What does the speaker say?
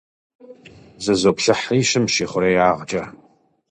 Зызоплъыхьри щымщ ихъуреягъкӏэ.